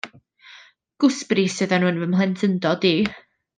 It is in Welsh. Gwsbris oedden nhw yn fy mhlentyndod i.